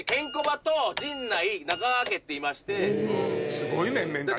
すごい面々だね。